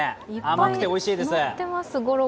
甘くておいしいです。